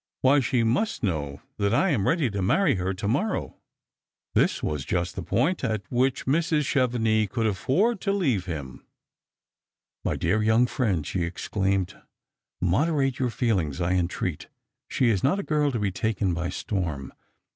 " Why, she must know that I am ready to marry her to morrow !" This was just the point at which Mrs. Chevenix could afford to leave Vim. Strangers and Pilgrims. 223 " My dear young friend," she exclaimed, " moderate your feel ings, I entreat. She is not a girl to be taken by storm.